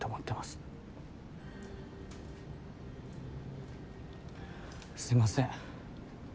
すいません。